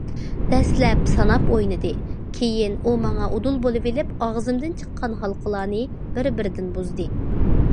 دەسلەپ ساناپ ئوينىدى، كېيىن ئۇ ماڭا ئۇدۇل بولۇۋېلىپ ئاغزىمدىن چىققان ھالقىلارنى بىر- بىردىن بۇزدى.